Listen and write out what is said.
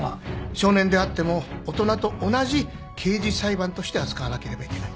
少年であっても大人と同じ刑事裁判として扱わなければいけない。